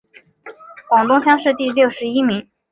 广东乡试第六十一名。